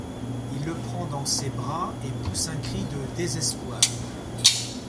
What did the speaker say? Il le prend dans ses bras, et pousse un cri de désespoir.